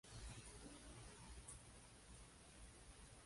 Las cataratas albergan una gran fauna, así como numerosas aves migratorias.